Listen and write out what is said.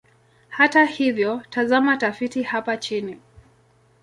Hata hivyo, tazama tafiti hapa chini.